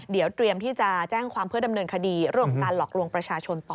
เดี๋ยวเตรียมที่จะแจ้งความเพื่อดำเนินคดีเรื่องของการหลอกลวงประชาชนต่อ